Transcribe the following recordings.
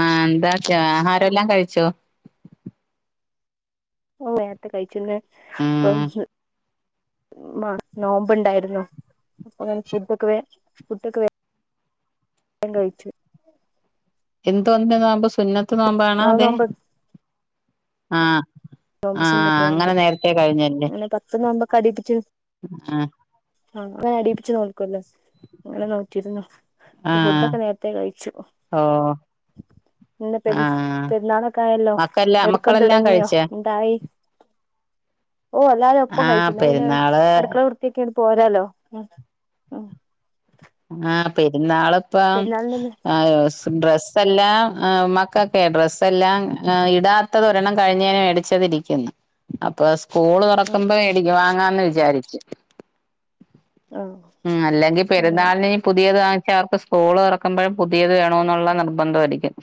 ആ എന്താക്ക ആഹാരൊല്ലാം കഴിച്ചോ ഓ നേരത്തെ കഴിച്ചന്ന് ആഹ് [unintelligible] നോമ്പുണ്ടായിരുന്നു അപ്പൊ ഫുഡൊക്കെ വേ ഫുഡൊക്കെ വേ വേ കഴിച്ചു എന്ത് [unintelligible] സു ത്തു നോമ്പാണോ ഇങ്ങള് അതെ നോമ്പ് ആ ആ അങ്ങനെ നേരത്തെ കഴി ഇനി പത്ത് നോമ്പൊ കടിപ്പിച്ച് ആ ആഹ് അങ്ങനെ അടിയിപ്പിച്ച് നോക്കൊല്ലോ അങ്ങനെ നോറ്റിരുന്നു ആഹ് ഫുഡൊക്കെ നേരത്തെ കഴിച്ചു ഓ ഇന്നിപ്പെ ആഹ് പെരുന്നാളൊക്കെ ആയല്ലോ മക്കെല്ലാ ഒരുക്കം മക്കളെല്ലാം തുടങ്ങിയോ കഴിച്ചോ എന്തായി ഓ അല്ലാരും ഒപ്പം ആഹ് കഴിച്ചു എന്ന പിന്നെ പെരുന്നാള് അടുക്കള വൃത്തിയാ പോരാലോ ആഹ പെരുന്നാളും പെരുന്നാളിന് ഇപ്പം ഡ്രസ്സ് എല്ലാം മക്കക്കെ ഡ്രസ് എല്ലാം ഇടാത്തത് ഒരെണ്ണം കഴിഞ്ഞതിന് മേടിച്ചതിരിക്കുന്നു അപ്പ സ്കൂള് ഉം തുറക്കുമ്പോ ഉം മേടിക്ക വാങ്ങാന്ന് വെ വിചാരിച്ച് ആഹ് ഉം അല്ലെങ്കിൽ അങ്ങനെ പെരുന്നാളിന് ഇനി പുതിയത് വാങ്ങി ച്ചവർക്ക് സ്കൂള് തുറക്കുമ്പോഴ് പുതിയത് വേണം എന്നുള്ള നിർബന്ധ ആയിരിക്കും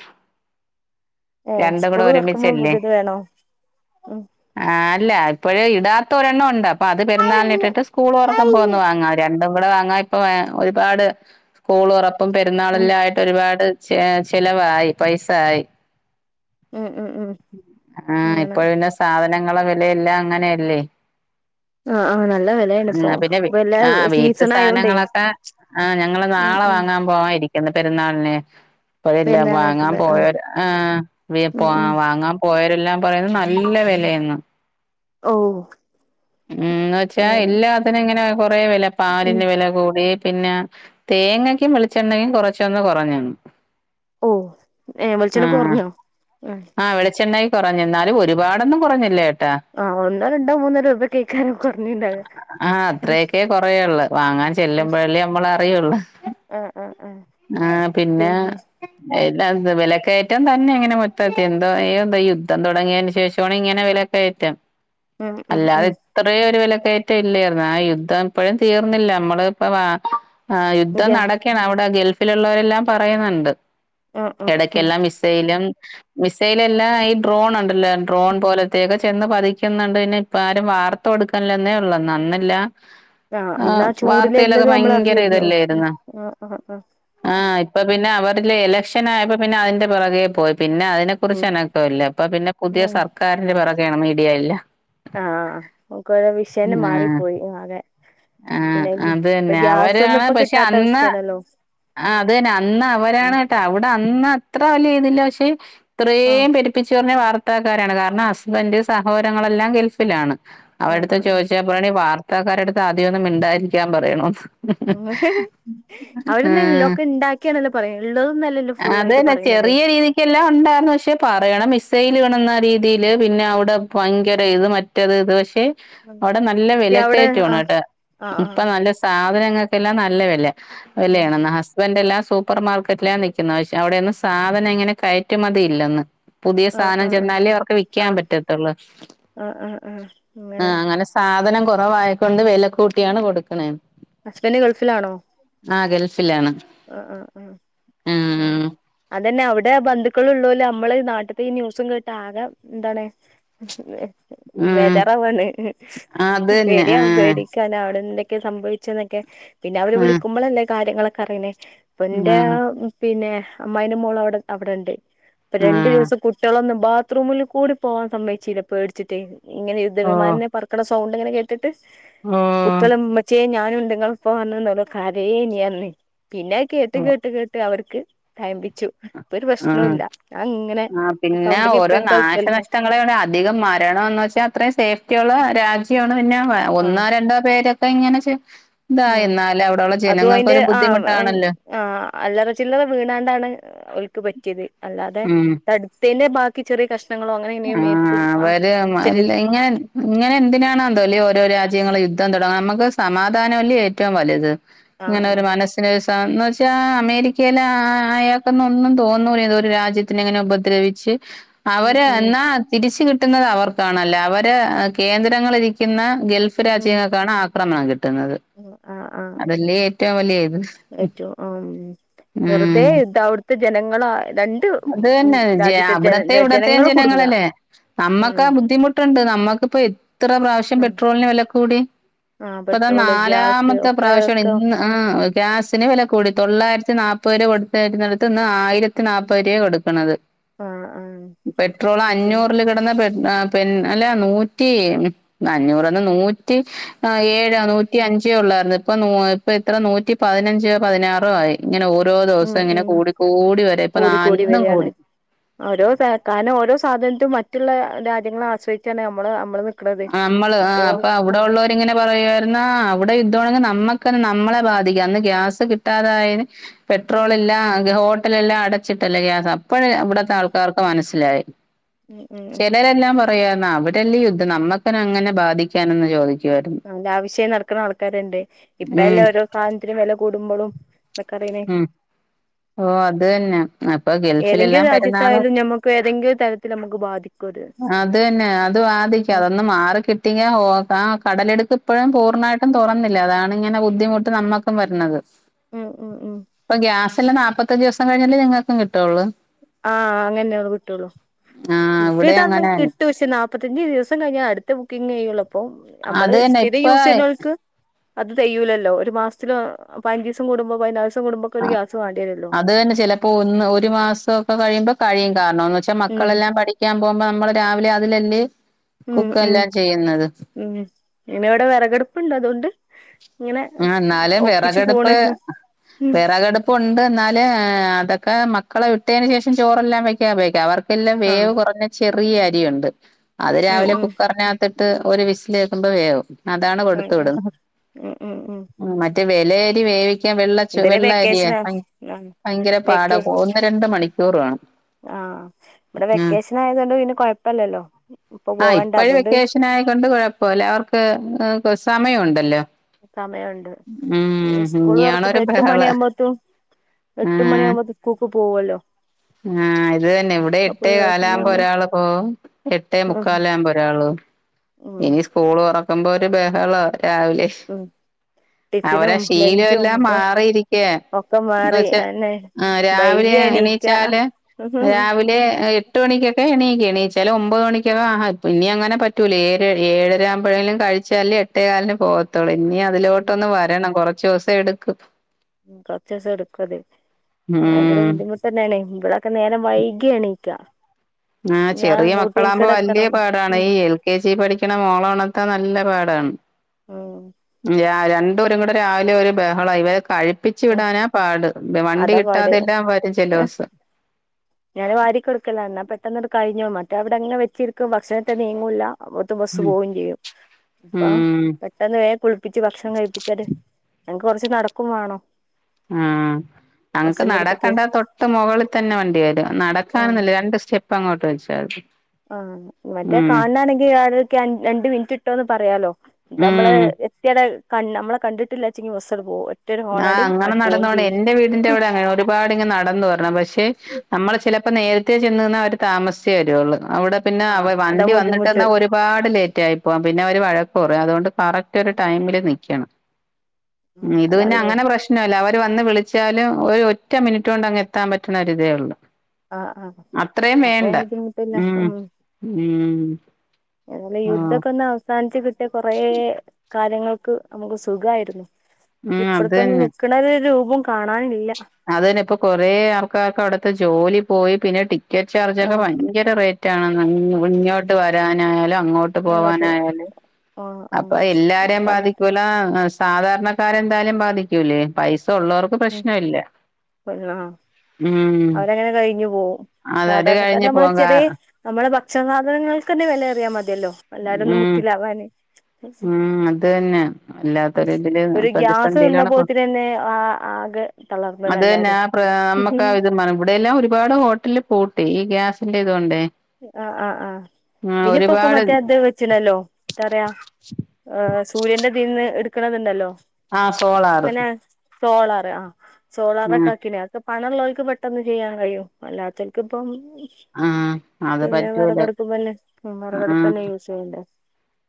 ഏ സ്കൂള് തുറക്കുമ്പോഴും പുതിയത് വേണോ ഉ ഇല്ല ഇപ്പോഴ് ഇടാത്ത ഒരെണ്ണം ഉണ്ട് അപ്പൊ അത് പെരുന്നാലിനിട്ടിട്ട് സ്കൂൾ തുറക്കുമ്പോ ഒന്ന് കഴിഞ്ഞ് വാങ്ങാം രണ്ടും കൂടെ വാങ്ങ ഇപ്പൊ ഒരുപാട് സ്കൂൾ തുറ ഇപ്പം ഉം പെരുന്നാളെല്ലാം ആയിട്ട് ഒരുപാട് ചെ ചിലവായി പൈസയായി ഉം ഉം ഉം ആ അങ്ങനെ ഇപ്പോഴ് പിന്നെ സാധ നങ്ങളെ വില എല്ലാ അങ്ങനെയല്ലേ ആ ആഹ് നല്ല വെലയണ്ട് ഉം പിന്നെ ഇപ്പൊ എല്ലാം സീസൺ ആയോണ്ടെ ആഹ് ഞങ്ങള് നാളെ വാങ്ങാൻ പോവാൻ ഇരി കുന്ന് പെരുന്നാളിനെ ഇപ്പഴല്ലേ പിന്നെ വാങ്ങാൻ നിക്കല് ആഹ് പോയവര് ആ ഉം ഉം വാങ്ങാൻ പോയ എല്ലാം പറയുന്നത് നല്ല വെലയാന്ന ഓഹ് ഉം എന്ന് വെച്ചാ എല്ലാത്തിന് ഇങ്ങനെ കുറെ വെല ഉം പാലിന്റെ വെല കൂടി പിന്നെ തേങ്ങക്കും വെളിച്ചെണ്ണയും കുറച്ചൊന്ന് കുറഞ്ഞെന്ന് ഓ ഏഹ് ആ വെളിച്ചെണ്ണ കൊറഞ്ഞോ കുറഞ്ഞെന്നാലും ഒരുപാടൊന്നും കുറഞ്ഞില്ലേ ആ ഒന്നോ രണ്ടോ മൂന്ന് രൂപയ്ക്കെ ആ അത്രേക്കെ കുറയൊള്ളു വാങ്ങാൻ ചെല്ലുമ്പോഴല്ലെ നമ്മള് അറിയുള്ളു ആഹ് ആഹ് ആഹ് ആ പിന്നെ എല്ലാം വിലക്കയറ്റം തന്നെ ഇങ്ങനെ മൊത്തത്തി എന്തോ എന്താ ഈ യുദ്ധം തുടങ്ങിയെന്ന് ശേഷമാണ് ഇങ്ങനെ വെല കയറ്റം ഉം ഉ ഉം ണ്ട് ഒരു വില കയറ്റം ഇല്ലെർന്ന ആ യുദ്ധം ഇപ്പോഴും തീർന്നില്ല നമ്മള ഇപ്പ വാ ആ യുദ്ധം ഗ്യ നടക്കേണ് അവിടെ ഗൾഫ് ഫിലുള്ളവരെല്ലാം പറയുന്നുണ്ട് ആഹ് ആഹ് ഉം എടക്കെല്ലാം മിസൈലും മിസൈൽ അല്ലാ ഈ ഡ്രോൺ ഉണ്ട് ല്ല ഡ്രോൺ പോലത്തെ ഒക്കെ ചെന്ന് പതിക്കുന്നുണ്ട് പിന്നെ ഇപ്പ ആരും വാർ ത്ത് കൊട്ക്കെല്ലെന്നെ ഒള്ളെന്ന് അന്ന് ഇല്ല ആഹ് അന്നാ ചൂടില് വാർത്തയിലൊക്കെ എല്ലതും നമ്മൾ ഭയങ്കര ഇത് അറിഞ്ഞിരുന്നു ഉം അല്ലെയ്ര്ന്ന് ആഹ് ആഹ് ആഹ് ആഹ് ഇപ്പ പിന്നെ അവരിൽ എലക്ഷ [unintelligible] ഇപ്പ പിന്നെ അതിന്റെ പുറകെ പോയി പിന്നെ അതിനെ ഉം കുറിച്ച് അനക്കവില്ല പ്പൊ പിന്നെ പുതിയ ഉം സർക്കാരിന്റെ പറ ക്കെണം മീഡിയായിൽ ആഹ് ഒക്കെ വിഷയന്നെ ആഹ് മാറിപ്പോയി ആകെ ആഹ് പിന്നെ ഇത് അത് ഇപ്പ തന്നെ ഗ്യാസൊന്നും കിട്ടാത്ത അവസ്ഥയിലല്ലോ ആ അതെന്നെ അന്ന് അവരാണ് കേട്ടോ അവിടെ അന്ന് അത്ര പ്പ വല്യ ഇതില്ല പക്ഷെ ആഹ് ഇത്രയും പെരുപ്പിച്ച് പറഞ്ഞ വാർ ത്തക്കാരാണ് കാരണം ഹസ്ബൻഡ് സഹോരങ്ങളെല്ലാം ഗൾഫിലാണ് ആഹ് അവിരെട്ത്ത് ചോയ്ച്ചപ്പോരെ വാർ ത്താക്കാരെട്ത്ത് ആദ്യം ഒന്നു മിണ്ടാതിരിക്കാൻ പറയണോന്ന് ഓല് അവര് [unintelligible] ല്ലൊക്കെ ണ്ടാക്കി [unintelligible] അതെന്നെ ചെറിയ രീതിക്കെല്ലാം ഒണ്ടാര്ന്നു പക്ഷെ പറയണ മിസൈൽ വീണെന്ന് ദേ ദേ ല്ല് പിന്നെ അവിടെ ഭയങ്ക ഇത് മറ്റേത് ഇത് പക്ഷെ അവിടെ നല്ല വില അവിടെ കയറ്റമാണ് ആഹ് കേട്ടോ ആഹ് ഇപ്പൊ ആഹ് നല്ല സാ സാധനങ്ങൾക്കെല്ലാം നല്ല വില ആഹ് വിലയാണെന്ന് ഹസ്ബൻഡ് എല്ലാം സൂപ്പർ മാർക്കറ്റിലാ നി ക്കുന്നത് പക്ഷേ അവിടെ ഒന്നും സാധനം ഇങ്ങനെ കയറ്റുമതി ഇല്ലന്ന് പുതിയ ആഹ് സാധനം ചെന്നാലേ അവർക്ക് വിക്കാൻ ആഹ് പറ്റത്തുള്ളൂ ആഹ് ആഹ് ആഹ് ആ അങ്ങനെ സാധനം കൊ വായിക്കൊണ്ട് വില കൂട്ടിയാണ് കൊടുക്കണേന്ന് ഹസ്ബൻഡ് ഗൾഫിലാണോ ആ ഗെൾഫ് ആഹ് ആഹ് ആഹ് അങ്ങനെ അറ്റ് അതന്നെ അവിടെ ബന്ധുക്കളുള്ളോല് അമ്മള് ഈ നാട്ട്ത്തെ ഈ ന്യൂസും കേട്ട് ആകെ എന്താണ് ആ ബേജാറാവുവാണ് അതന്നെ പേടിയാ ആ പേടിക്കാന അവിടന്തെ ഒക്കെ സംഭവിച്ചതൊക്കെ പിന്നെ അവര് വിളിക്കുമ്പളല്ലേ കാര്യങ്ങളൊക്കെ അറിയ്ണ് പ്പന്റെ ആ ആ പിന്നെ അമ്മായിന്റെ മോള് അവിടെ അവിടെണ്ട് ഇപ്പ രണ്ടു ആഹ് ദിവസം കുട്ടികളൊന്നും ബാത്റൂമില് കൂടി പോവാൻ സമ്മയിച്ചില്ല പേടിച്ചിട്ടേ ഇങ്ങനെ ഓ യുദ്ധവിമാനന്നെ പറക്കണ സ സൗണ്ട് ഇങ്ങന കേട്ട് ട്ട് ഓ കുട്ടികളുമ്മച്ചിയെ ഞാൻ നുണ്ട് ഇങ്ങള്‌പ്പൊ വന്ന്ന്നോളോ കരയേ ഞ്ഞ് അന്ന് പിന്നെ അഅ് കേട്ട് കേട്ട് കേട്ട് അവർക്ക് തയമ്പിച്ചു ഇപ്പൊ ഒരു ആ പ്രശ്നവും ഇല്ല ഞാൻ ഇങ്ങനെ ആ പിന്നെ സൗണ്ടിങ് ഓരോ എപ്പഴും കേൾക്കല്ലേ നാശനഷ്ടങ്ങളെയടെ അധികം മരണംന്ന് വച്ചാ അത്രയും സേഫ്റ്റിയുള്ള രാജ്യ ണ് പിന്നെ ഒന്നോ രണ്ടോ പേര് ത്തെ ഇങ്ങനെ ഷെ ആ അതും അയിന്റെ ആ ബുദ്ധിമുട്ടാണല്ലോ ആ അല്ലറ ചില്ലറ വീണാണ്ടാണ് അവൾക്ക് പറ്റിയത് അല്ലാതെ തടുത്തേയ്ൻ്റെ ബാ ക്കി ചെറ്യേ കഷ് ആ അവര് ശരി ല്ല ഇങ്ങനെ ഇങ്ങനെ എന്തിനാണാന്തോല്ലെ ഓരോ രാജ് രജ്യങ്ങള് യുദ്ധം തുടങ്ങു നമുക്ക് സമാധാനം അല്ലേ ഏറ്റവും വലുത് ആ ഇങ്ങനെ ഒരു മനസ്സിനേസ് താന്ന് വെച്ചാ അമേരിക്കയിലെ ആ ആയാക്കുന്നൊന്നും തോന്നൂല ഇതൊരു രാജ്യത്തിനെ ഇങ്ങനെ ഉപദ്രവിച്ച് ഉം [unintelligible] ഉം എന്നാ തിരിച്ച് കിട്ട് ട്ടുന്നത് അവർക്കാണല്ല അവര് കേന്ദ്രങ്ങളിരിക്കുന്ന ഗൾഫ് രാജ്യങ്ങക്കാണ് അ പ്രണ ആഹ് ആഹ് ഏറ്റവും വലിയ ഇത് ഏറ്റവും ആ വെറുതെ ഉം ഇ അവിടുത്തെ ജനങ്ങള അത് തന്നെ അവിടത്തെ ഇവിടത്തേ ജനങ്ങള് കുടുങ്ങ ജനങ്ങളല്ലേ ഉം നമ്മക്ക ബുദ്ധിമുട്ടുണ്ട് നമ്മക്കിപ്പോ എത്ര പ്രാവശ്യം ആ പെട്രോളിന് വില കൂടി ആ ഇപ്പൊതാ പെട്രോള് ഗ്യാസ് നാലാമത്തെ ഒക്കെ പ്രാവശ്യമാണ് ഒക്കെ ഇന്ന് ആ ഗ്യാസിന് വില കൂടി തൊള്ളായിരത്തി നാപത് രൂപ കൊടുത്തെന്നിടുത്ത് ഇന്ന് ആയിരത്തി നാപ്പ- പൊരിയ കൊടുക്ക്ണത് ആ ആ പെട്രോള് ഓക്കെ അഞ്ഞൂറില് കെടന്ന് പെ- ആ പിന്ന അല്ലാ നൂറ്റി അഞ്ഞൂറ്ന്ന് നൂറ്റി ആ ഏഴാ ഉം നൂറ്റി അഞ്ചോ ഉള്ള ഇപ്പ ഇപ്പ ഇത്ര നൂറ്റി പതിനഞ്ചോ പതിനാറോ ആയി ഇങ്ങനെ ഓരോ ദിവസം ഇങ്ങനെ കൂടി കൂടി വര കുടി ക്കൂടി വരാണ് ഓരോക്കാനോ പ്പോഓരോ സാധനത്തും മറ്റുള്ള രാജ്യങ്ങളെ ആശ്രയിച്ചാണ് നമ്മള് അമ്മള്‌ അമ്മള് ആ അപ്പൊ അവിടെ ഉള്ളോരിങ്ങനെ പറയേർന്നോ അവ്ടെ ഇതോണ്ട് നമ്മക്ക് നമ്മളെ ബാധിക്കും അന്ന് ഗ്യാസ് കിട്ടാതായേന് ഉം പെട്രോളില്ലാ അങ്ങനെ ഹോട് ട്ടിലെല്ലാം എല്ലാ അടച്ചിട്ടല്ലേ ജാഥ ഇപ്പഴേ അവിടത്തെ ഉം ആൾക്കാർക്ക് മനസി ലായി ഉം ഉം ചെലരെല്ലാം പർ കയ്യൊന്നാ അവിടെ ല്ലേ ഈ യുദ്ധ് ദ്ധം നമ്മുക്ക്നെ അങ്ങനെ ബാധിക്കാനൊന്ന് യോഗ അനാവശ്യായി നടക്ക്ണ ആൾക്കാര്ണ്ട് ഉം ഇപ്പഴല്ലേ ഓരോ സാധനത്തിനും വെല കൂടുമ്പളും ഇതൊക്കെ അറിയ്ണേ ഉം ഓഹ് അത് തന്നെ അപ്പൊ [inaudible] ഏതൊങ്കിലും ഗൾഫിലെല്ലാം പെരുന്നാള് രാജ്യത്തായാലും ഞമ്മക്ക് ഏതെങ്കിലും തരത്തില് നമ്മക്ക് ബാധിക്കും അത് അതെന്നെ അത് ഉം ബാധിക്കും ഉം അതൊന്ന് മാറിക്കിട്ട്യാ ഒ ആ കടലെടുപ്പ് ഇപ്പോഴും പൂർണ്ണായിട്ടും തുറന്നില്ല അതാണ് ഇങ്ങനെ ബുദ്ധിമുട്ട് നമ്മുക്കും വരുന്നത് ഉം ഉം ഉം പ്പല്ലാ നാല്പ്പത്തഞ്ച്ദൂസം കഴിഞ്ഞല്ലെ ഞങ്ങക്കും കിട്ടൊള് ആ അങ്ങന്നേ കിട്ടുള്ളു ആഹ് ബുക്ക് ഇവിടെ ചെയ്ത അങ്ങനെ [unintelligible] കിട്ടുംക്ഷേ നാപ്പത്തഞ്ച് ദിവസം കഴിഞ്ഞ അടുത്ത ബുക്കിംഗ് ചെയ്യുള്ളൂ അപ്പോം നമ്മള് അത് തന്നെ ഇപ്പ സ്ഥിരയൂസ് ചെയ്യുന്നോല്ക്ക് അത് തെയ്യൂലല്ലോ ഒരു മാസത്തില് പൈഞ്ചിസം കൂടുമ്പോ [unintelligible] ആ ഒരു ഗ്യാസ് വേണ്ടി വരുല്ലോ അത് തന്നെ ചിലപ്പോൾ ഒന്ന് ഒരു മാസോ അത് കഴിയുമ്പോ കഴിയും കാരണോന്ന് വെച്ചാ ഉം മക്കളെല്ലാം പഠിക്കാ പോകുമ്പ നമ്മള് രാവിലെ അതിലല്ലേ ഉം കുക്ക് ഉം എല്ലാം ചെയ്യുന്നത് ഉ പിന്നെ ഇവിടെ വെറകടുപ്പുണ്ട് അതുകൊണ്ട് ഇങ്ങനെ ആ എന്നാലും ഒപ്പിച്ചു വെറകടുപ്പ് പോണ് ആഹ് വെറകടുപ്പ് ഉണ്ട് എന്നാല് അതൊക്കെ മക്കളെ വിട്ടതിന് ശേഷം ചോറെല്ലാം വെക്കാൻ ഉപയോഗിക്കാം അവർക്ക് എല്ലാം വേവ് കുറഞ്ഞ ചെ ചെറിയ അരിയുണ്ട് അത് ഉം രാവിലെ ഉം കുക്കറിനകത്ത്ട്ട് ത് ഒരു വിസ്ൽ കേക്കുമ്പോ വേവും അതാണ് ആ കൊടുത്തു ആ വിടുന്നത് ഉ ഉം ഉം മറ്റേ വിലയരി വേവ വെള്ള ചോ ഇതൊരു വെള്ള അരിയ വെക്കേഷനാ ആഹ് ഭയങ്കര പാട ഒന്ന് രണ്ട് മണി ചോറ് വേണം. ആ. ഇവിടെ വെക്കേഷൻ ആയതൊണ്ട് പിന്നെ കൊഴ്പ്പല്ലല്ലോ. ആ. ഇപ്പോഴും വെക്കേഷനായി കൊണ്ട് കുഴപ്പല്ല അവർക്ക് സമയം ഉണ്ടല്ലോ. സമയമുണ്ട്. സ്കൂൾ തുറക്കുമ്പോ ഇനിയാണൊരു എട്ട് മണിയ ബഹളം ആകുമ്പോത്ത് എട്ട് മണിയ ആകുമ്പോത്തിന് സ്കൂൾക്ക് പോവല്ലോ. ആ. ഇത് തന്നെ. ഇവിടെ അപ്പൊ എട്ടേ ആ കാലാവകുമ്പോ സമയാവുമ്പോ ഒരാള് പോകും എട്ടേ ഉം മുക്കാലാകുമ്പോ ഒരാള് പോകും. ഉം ഇനി സ്കൂൾ തൊറ ന്തോ.. ഒരു ബഹള രാവിലെ. ഉം അവരെ ടിഫിനും ശീലം ലഞ്ചും എല്ലാം ഒക്കെ മാറിയിരിക്ക ഒക്കെ എന്ന് മാറി വെച്ചാ അന്നെ ആ രാവിലെ വൈകി എണീക്ക എണീച്ചാല് രാവിലെ എട്ട് മണിക്കൊക്കെ എണീക്ക എണീ ചിലർ ഒമ്പത് മണിക്കൊക്കെ ആഹാ ഇനി അങ്ങനെ പറ്റൂലേ. ഏഴര ആവുമ്പഴേലും കഴിച്ചാല് എട്ടേ കാലിന് പോവത്തൊള്ളൂ. ഇനി അതിലോട്ടൊന്ന് വരണം. കൊറ.. ചോസ എടുക്കും. കൊർച്ചൂസം എടുക്കും അത്. ഭയങ്കര ഉം ബുദ്ധിമുട്ട് തന്നെയാണ്. ഒക്കെ നേരം വൈകി എണീക്ക. ആ. ഞാൻ ചെറിയ മക്കളാകുമ്പോ റൂട്ടീൻക്കടെ വലിയ എത്തണം പാടാണ്. ഉം ഈ എൽ കെ ജി പഠിക്കണ മോളോണർത്താൻ നല്ല പാടാണ്. ഉം രണ്ടോരും കൂടെ രാവിലെ ഒരു ബഹള. ഇവരെ കഴി ഒപ്പിച്ചു ഉം വിടാനാ പാട്. വണ്ടി അതാ പാട് കിട്ടാതെല്ലാം വരും ചെല ദിവസം. പെട്ടന്ന് കഴിഞ്ഞോമാറ്റും അവിടെ അങ്ങനെ വെച്ചിരിക്കും ഭക്ഷണൊട്ട് നീങ്ങുല്ല. അപ്പോത്ത്ന് ബസ് ഉം പോവും ചെയ്യും. അപ്പൊ ഉം പെട്ടെന്ന് വേഗം കുളിപ്പിച്ച് ഭക്ഷണം കഴിപ്പിച്ചാല്. ഞങ്ങക്ക് കുറച്ച് നടക്കും വേണം. ആ ഞങ്ങക്ക് ബസ്സിന്റടുത്ത്ക്ക് നടക്കണ്ട തൊട്ട് മുകളിൽ തന്നെ വണ്ടി വരും. നടക്കാനൊന്നുല്ല. രണ്ട് സ്റ്റെപ്പ് അങ്ങോട്ട് വെച്ച ചതി ആ മറ്റേ കാണാണെങ്കിൽ ആടക്കി രണ്ട് മിൻറ്റ്ട്ടോന്ന് പറയാലോ. ഇത് നമ്മള് ഉം എത്തിയത കണ്ണ് നമ്മളെ കണ്ടിട്ടില്ലാച്ചെങ്കി ബസ്സ് ആണ്ട് പോവും ആ. അങ്ങനെ നടന്ന് വണം ചെയ്യും എന്റെ വീടിന്റെ ഇവിടെ അങ്ങനെ ഒരുപാട് ഇങ്ങട്ട് നടന്ന് വരണം പക്ഷെ നമ്മള് ചെല അപ്പൊ നേരത്തെേ ചെന്ന് നിന്നാ അവര് താമസിച്ചേ വരുയുള്ളൂ. അവിടെ പിന്നെ ആഹ് അവ അതാ വണ്ടി ബുദ്ധിമുട്ട് വന്നിട്ട്ന്നാ ഒരുപാട് ലേറ്റ് ആയി പോവാം പിന്നെ അവര് വഴ കുറേ അതു കൊണ്ട് കറക്റ്റ് ഒരു ടൈമില് നിക് എണം. ഉം. അതെ. ത് പിന്നെ അങ്ങനെ പ്രശ്നല്ല അവര് വന്ന് വിളിച്ചാലും ഒരു ഒറ്റ മിനിറ്റ് കൊണ്ട് അങ്ങ് എത്താൻ പറ്റണ ഒരുരിതേ ഉള്ളു ആഹ് ആഹ് അത്രയും അപ്പൊ വേണ്ട ബുദ്ധിമുട്ടില്ല ഉം ഉം അല്ല ആഹ് യുദ്ധക്ക ഒന്ന് അവസാൻ ൻ്റെ കുറെ കാര്യങ്ങൾക്ക് നമുക്ക് സുഖായിരുന്നു ഉം അത് ഇപ്പത്തന്ന തന്നെ നിക്കണ ഒരു ന്നും കാണാനില്ല അത് തന്നെ ഇപ്പൊ കൊറെ ആൾക്കാർക്ക് അവിടത്തെ ജോലി പോയി പിന്നെ ടി ടിക്കറ്റ് ചാർജന്നെ ആഹ് ഭയങ്കര റേറ്റ് റ്റ മുന്നോട്ട് വരാനായാലും അങ്ങോട്ട് ഇങ്ങോട്ട് പോവാനായല് ആഹ് ആഹ് അപ്പ അത് എല്ലാരെയും പറഞ്ഞിട്ട് ബാധിക്കൂല സാധാരണക്കാരെന്തായാലും ബാധിക്കൂല്ലേ പൈസ അ ഉള്ളവർക്ക് പ്രശ്നം ഇല്ല കൊല്ല ഉം അവരങ്ങനെ കഴിഞ്ഞു പോവും അതത് സാധാരണക്കാര കഴിഞ്ഞ് നമ്മളെ പോകാ ചെറിയ നമ്മളെ ഉച്ച സാധനങ്ങൾക്ക്ന്നെ വില ഏറിയാ മതി ഇല്ലോ എല്ലാര ഒന്നും ഉം മുട്ടിലവാന് ഉം അത് തന്നെ വല്ലാത്തൊരു ഇതില് ഒരു ഗ്യാസ് നിന്ന പ്രതിസന്ധിയിലാണ് ഇപ്പൊ പോത്തിനന്നെആ ആകെ തളർന്ണ് അത് തന്നെ എല്ലാരും ആ പ്ര ഹ് ഹ് നമ്മക്ക് ഇത് ഇവിടെയെല്ലാം ഒരുപാട് ഹോട്ടൽ പൂട്ടി ഈ ഗ്യാസിന്റെ ഇതുകൊണ്ടേ ആഹ ആഹ് ആഹ് ആ പിന്നയിപ്പൊക്കെ ഒരുപാട് മറ്റെ- ഇത് വെച്ച്ണല്ലോ ത്താറിയാ എ സൂര്യന്റെ ഇതിന്ന് എട് നിക്ണത് ണ്ടല്ലോ ആഹ് സോളാറ് സോളാറ് ആ ഉം സോളാറൊക്കെആക്കിനി അഒക്കെ പണള്ളോൽക്ക് പെട്ടെന്ന് ചെയ്യാൻ കഴിയും അല്ലാതോൽക്ക്പ്പം ആഹ് അത് പറ്റൂലോ വിറകടുപ്പുമ്മന്നെ ആ വിറകടുപ്പന്നെ യൂസ് ചെയ്യണ്ടേ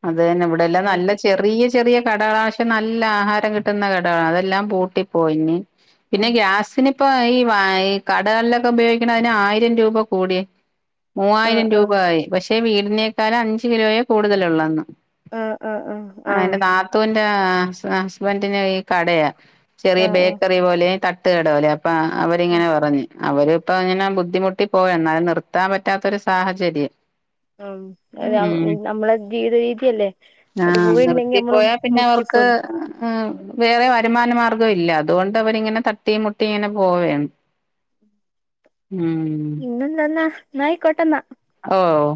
അത് തന്നെ ഇവിടെല്ലാം എല്ലാരും നല്ല ഇപ്പത്തിന് ചെറിയ ചെറിയ കടകാശം നല്ല ആഹാരം കി കിട്ടുന്ന കടാ അതെല്ലാം പൂട്ടി പോയിഞ്ഞി പിന്നെ ഉം ഗ്യാസിന് ഇപ്പൊ ഈ വാ ഈ കടകൾലൊക്കെ ഉപയോയിക്ക്‌ണയ്ന് ആയിരം രൂപ കൂടിയെ ആഹ് മൂവായിരം രൂപ ആയി പക്ഷെ വീ തിനെക്കാളും അഞ്ച് കിലോയേ കൂടുതലുള്ളോന്ന് ആഹ് ആ ആ ആഹ് ന്റെ ആ ഹസ് ഹസ്ബന്റിന് ഈ കടയ ചെറിയ ആഹ് ആഹ് ആഹ് ബേക്കറി പോലെയും തട്ട് തേടോലേ പ ഉം അവരിങ്ങനെ പറഞ്ഞ് അവര് പ്പിങ്ങന ബുദ്ധിമുട്ടി പോയ് എന്നാലും നിർത്താൻ പറ്റാത്തൊരു സാഹചര്യം ആം ഉം [unintelligible] നമ്മളെ ജീവിത രീതിയല്ലേ അത് ആഹ് പോയി ഇണ്ടെങ്കി നമ്മളും മുട്ടിപോവുലേ ആ വേറെ വരുമാനമാർഗ്ഗം ഇല്ല അതുകൊണ്ട് അവരിങ്ങനെ തട്ടിം മുട്ടിം ഇങ്ങനെ പോവേണ് ഉം ഇന്നൊന്നെന്ന ന്ന ആയികൊട്ടെന്ന ഓഹ്